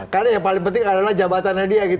karena yang paling penting adalah jabatannya dia